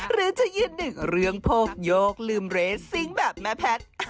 หรือจะยืนหนึ่งเรื่องพวกโยกลืมเรสซิงค์แบบแม่แพทย์